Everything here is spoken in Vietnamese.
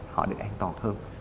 họ được an toàn hơn